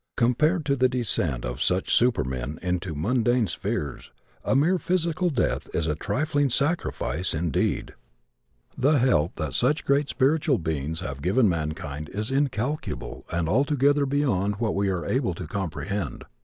Compared to the descent of such supermen into mundane spheres a mere physical death is a trifling sacrifice indeed. The help that such great spiritual beings have given mankind is incalculable and altogether beyond what we are able to comprehend.